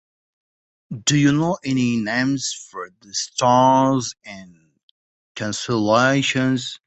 Do you know any names for the stars and constellations?